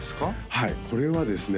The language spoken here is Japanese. はいこれはですね